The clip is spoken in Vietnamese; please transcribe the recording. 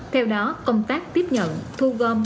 theo đó công tác tiếp nhận thu gom